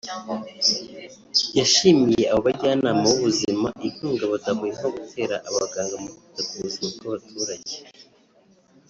yashimiye abo bajyanama b’ubuzima inkunga badahwema gutera abaganga mu kwita ku buzima bw’abaturage